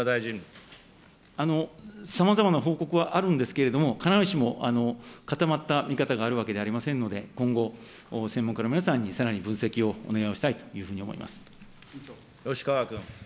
さまざまな報告はあるんですけれども、必ずしも固まった見方があるわけではありませんので、今後、専門家の皆さんにさらに分析をお願いをしたいというふうに吉川君。